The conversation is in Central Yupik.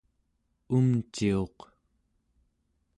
umciuq